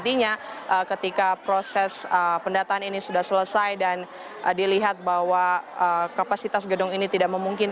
desa sirnat boyo merupakan salah satu desa yang parah terdampak oleh bencana banjir